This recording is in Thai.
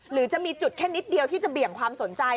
หรือจะมีจุดแค่นิดเดียวที่จะเบี่ยงความสนใจ